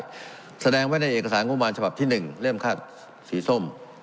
รายจ่ายแสดงไว้ในเอกสารงบราณฉภาพที่หนึ่งเล่มคาดสีส้ม